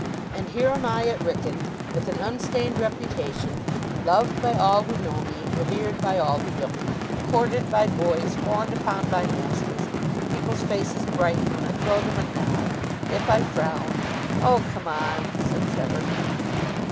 And here am I at Wrykyn, with an unstained reputation, loved by all who know me, revered by all who don't; courted by boys, fawned upon by masters. People's faces brighten when I throw them a nod. If I frown " "Oh, come on," said Trevor.